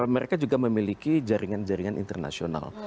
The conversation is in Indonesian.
mereka juga memiliki jaringan jaringan internasional